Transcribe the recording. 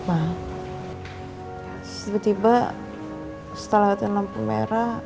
tiba tiba setelah latihan lampu merah